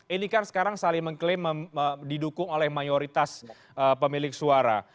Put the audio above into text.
ini kan sekarang saling mengklaim didukung oleh mayoritas pemilik suara